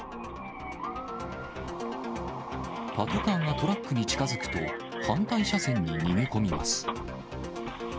パトカーがトラックに近づくと、反対車線に逃げ込みます。